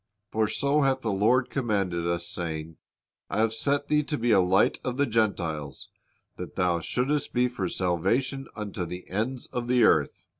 For so hath the Lord commanded us, saying, I have set Thee to be a light of the Gentiles, that Thou shouldst be for salvation unto the ends of the earth.